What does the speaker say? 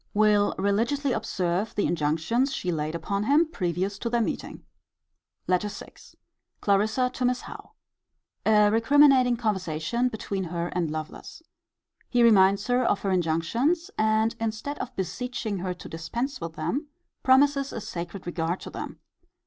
Will religiously observe the INJUNCTIONS she laid upon him previous to their meeting. LETTER VI. Clarissa to Miss Howe. A recriminating conversation between her and Lovelace. He reminds her of her injunctions; and, instead of beseeching her to dispense with them, promises a sacred regard to them.